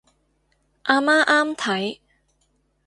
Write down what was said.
阿媽啱睇